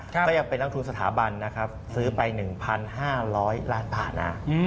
ก็ยังเป็นนักทุนสถาบันซื้อไป๑๕๐๐ล้านบาท